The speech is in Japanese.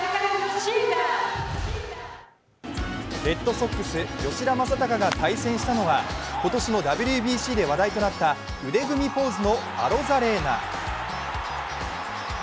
レッドソックス・吉田正尚が対戦したのは今年のＷＢＣで話題となった腕組みポーズのアロザレーナ。